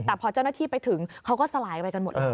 แต่พอเจ้าหน้าที่ไปถึงเขาก็สลายไปกันหมดเลย